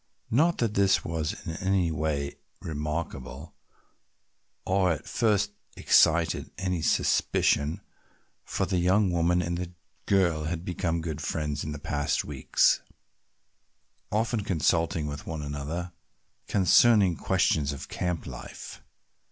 Not that this was in any way remarkable or at first excited any suspicion, for the young woman and girl had become good friends in the past weeks, often consulting with one another concerning questions of camp life.